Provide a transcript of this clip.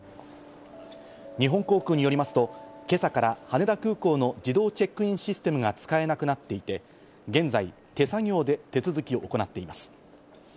日本航空によりますと、今朝から羽田空港の自動チェックインシステムが使えなくなっていて、現在、手作業で手続きを行っています。